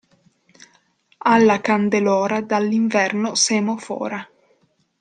Alla candelora dall'inverno semo fora.